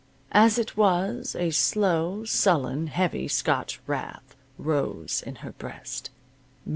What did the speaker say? As it was, a slow, sullen, heavy Scotch wrath rose in her breast.